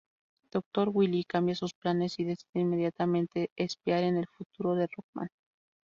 Dr. Wily cambia sus planes y decide inmediatamente espiar en el futuro de Rockman.